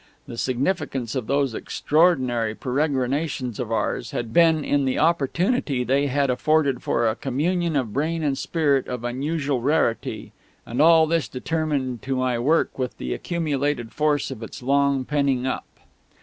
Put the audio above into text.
The significance of those extraordinary peregrinations of ours had been in the opportunity they had afforded for a communion of brain and spirit of unusual rarity; and all this determined to my work with the accumulated force of its long penning up.